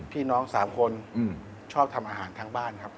พี่น้อง๓คนชอบทำอาหารทั้งบ้านครับ